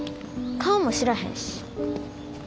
顔も知らへんし。